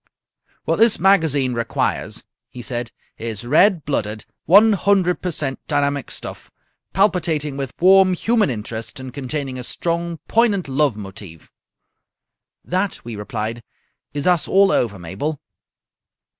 "What this magazine requires," he said, "is red blooded, one hundred per cent dynamic stuff, palpitating with warm human interest and containing a strong, poignant love motive." "That," we replied, "is us all over, Mabel."